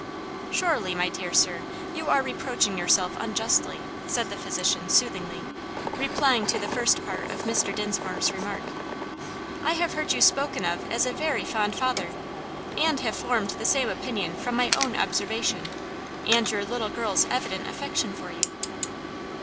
"Surely, my dear sir, you are reproaching yourself unjustly," said the physician soothingly, replying to the first part of Mr. Dinsmore's remark. "I have heard you spoken of as a very fond father, and have formed the same opinion from my own observation, and your little girl's evident affection for you."